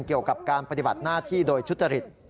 เกี่ยวกับการปฏิบัติหน้าที่โดยทุจริต